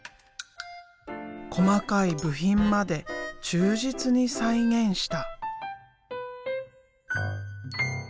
細かい部品まで忠実に再現した。